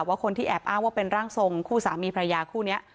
ว่าคนที่แอบอ้างว่าเป็นร่างทรงคู่สามีพระยาคู่นี้